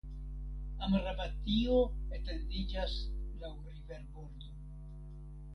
Amaravatio etendiĝas laŭ riverbordo.